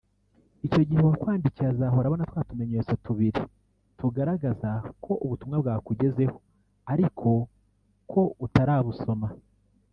Icyo gihe uwakwandikiye azahora abona twa tumenyetso tubiri √√ tugaragaza ko ubutumwa bwakugezeho ariko ko utarabusoma